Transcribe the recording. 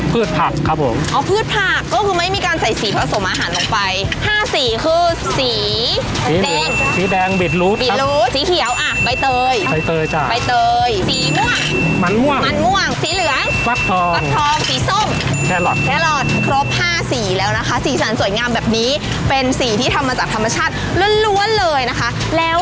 พืชผักครับผมอ๋อพืชผักก็คือไม่มีการใส่สีผสมอาหารลงไปห้าสีคือสีแดงสีแดงบิดรู้บิดรู้สีเขียวอ่ะใบเตยใบเตยจ้ะใบเตยสีม่วงมันม่วงมันม่วงสีเหลืองฟักทองฟักทองสีส้มแครอทแครอทครบห้าสีแล้วนะคะสีสันสวยงามแบบนี้เป็นสีที่ทำมาจากธรรมชาติล้วนเลยนะคะแล้ว